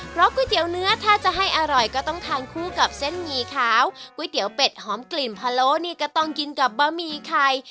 เพราะก๋วยเตี๋ยวเนื้อถ้าจะให้อร่อยก็ต้องทานคู่กับเส้นหมี่ขาวก๋วยเตี๋ยวเป็ดหอมกลิ่นพะโล้นี่ก็ต้องกินกับบะหมี่ไข่